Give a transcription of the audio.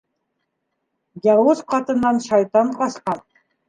Яуыз ҡатындан шайтан ҡасҡан.